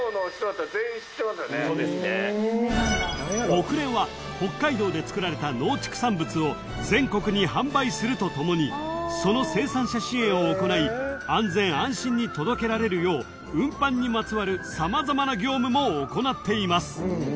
［ホクレンは北海道で作られた農畜産物を全国に販売するとともにその生産者支援を行い安全安心に届けられるよう運搬にまつわる様々な業務も行っています］